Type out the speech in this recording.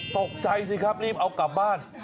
ตกใจสิครับรีบเอากลับบ้าน